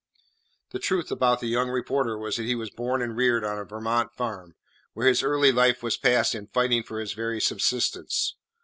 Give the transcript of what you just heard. The truth about the young reporter was that he was born and reared on a Vermont farm, where his early life was passed in fighting for his very subsistence.